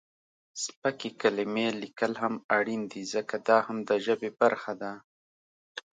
سپکې کلمې لیکل هم اړین دي ځکه، دا هم د ژبې برخه ده.